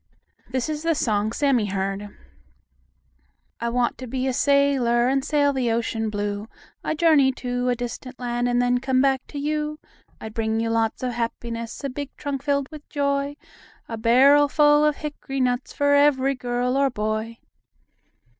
This is the song Sammie heard: "I want to be a sailor And sail the ocean blue. I'd journey to a distant land And then come back to you. I'd bring you lots of happiness, A big trunk filled with joy; A barrel full of hickory nuts For every girl or boy."